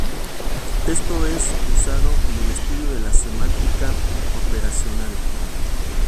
Esto es usado en el estudio de la semántica operacional.